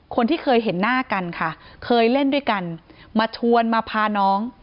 คนที่เคยเห็นหน้ากันค่ะเคยเล่นด้วยกันมาชวนมาพาน้อง